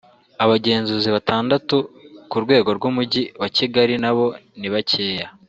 abagenzuzi batandatu ku rwego rw’umujyi wa Kigali nabo ni bakeya